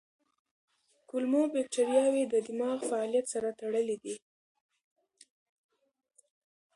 کولمو بکتریاوې د دماغ فعالیت سره تړلي دي.